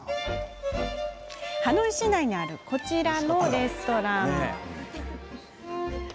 ハノイ市内にあるこちらのレストラン。